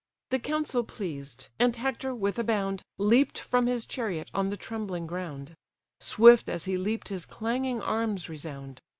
The counsel pleased; and Hector, with a bound, Leap'd from his chariot on the trembling ground; Swift as he leap'd his clanging arms resound.